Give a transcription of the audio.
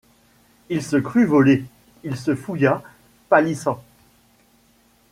Il se crut volé, il se fouilla, pâlissant.